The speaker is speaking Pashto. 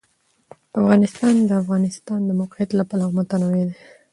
افغانستان د د افغانستان د موقعیت له پلوه متنوع دی.